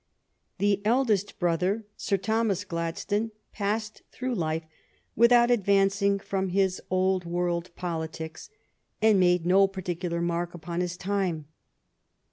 The eldest brother. Sir Thomas Gladstone, passed through life without advancing from his old world 6 THE STORY OF GLADSTONE S LIFE politics, and made no particular mark upon his time.